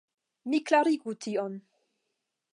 Mi klarigu tion.